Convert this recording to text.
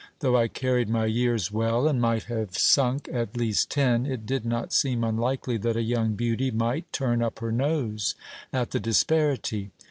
Though I carried my years well, and might have sunk at least ten, it did not seem unlikely that a young beauty might turn up her nose at the disparity.